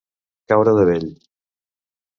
Caure de vell.